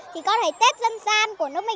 thì con thấy tết dân gian của nước mình